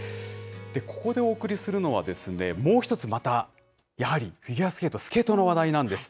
ここでお送りするのは、もう一つまた、やはりフィギュアスケート、スケートの話題なんです。